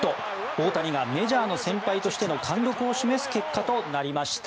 大谷がメジャーの先輩としての貫録を示す結果となりました。